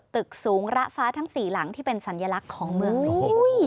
ตึกสูงระฟ้าทั้ง๔หลังที่เป็นสัญลักษณ์ของเมืองนี้